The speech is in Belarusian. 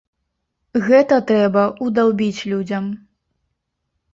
Гэта трэба ўдаўбіць людзям.